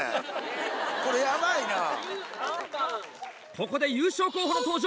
ここで優勝候補の登場。